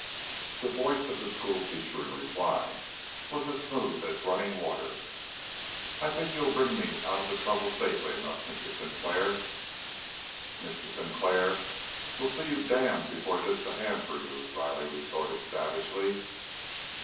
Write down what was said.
The voice of the schoolteacher in reply was as smooth as running water. "I think you'll bring me out of the trouble safely enough, Mr. Sinclair." "Mr. Sinclair'll see you damned before he lifts a hand for you!" Riley retorted savagely.